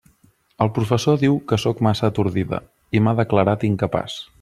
El professor diu que sóc massa atordida, i m'ha declarat incapaç.